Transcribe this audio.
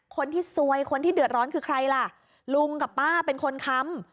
คนที่ซวยคนที่เดือดร้อนคือใครล่ะลุงกับป้าเป็นคนค้ำ